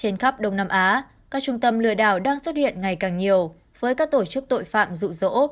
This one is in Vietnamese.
trên khắp đông nam á các trung tâm lừa đảo đang xuất hiện ngày càng nhiều với các tổ chức tội phạm rụ rỗ